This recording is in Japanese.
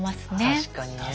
確かにねえ。